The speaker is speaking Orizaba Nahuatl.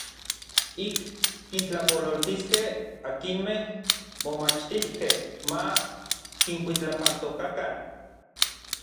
Ik kintlapololtiskej akinmej momachtijkej ma kinkuitlapantokakan.